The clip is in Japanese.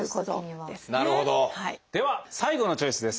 では最後のチョイスです。